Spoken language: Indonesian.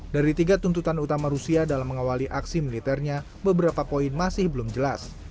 dari tiga tuntutan utama rusia dalam mengawali aksi militernya beberapa poin masih belum jelas